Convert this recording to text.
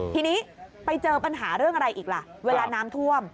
ทีนี้ไปเจอปัญหาเรื่องอะไรอีกล่ะเวลาน้ำท่วม